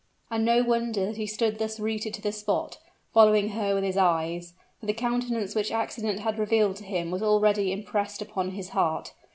And no wonder that he stood thus rooted to the spot, following her with his eyes; for the countenance which accident had revealed to him was already impressed upon his heart.